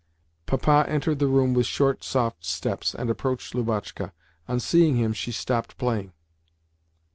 Papa entered the room with short, soft steps, and approached Lubotshka. On seeing him she stopped playing.